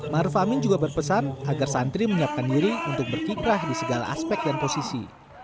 maruf amin juga berpesan agar santri menyiapkan diri untuk berkiprah di segala aspek dan posisi